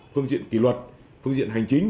phương diện kỷ luật phương diện hành chính